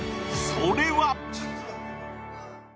それは。